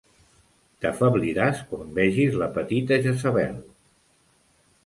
T'afebliràs quan vegis la petita Jezebel!